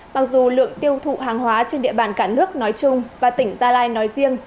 mặc dù lượng tiêu thụ hàng hóa trên địa bàn cả nước nói chung và tỉnh gia lai nói riêng